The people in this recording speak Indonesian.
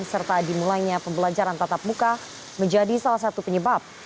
serta dimulainya pembelajaran tatap muka menjadi salah satu penyebab